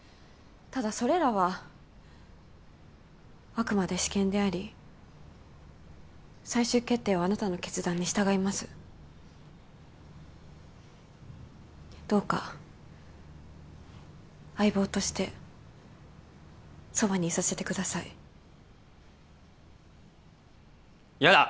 ただそれらはあくまで私見であり最終決定はあなたの決断に従いますどうか相棒としてそばにいさせてくださいやだ！